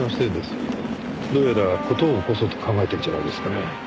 どうやら事を起こそうと考えてるんじゃないですかね。